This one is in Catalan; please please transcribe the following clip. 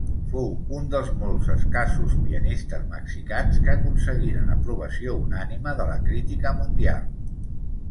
Fou un dels molts escassos pianistes mexicans que aconseguiren aprovació unànime de la crítica mundial.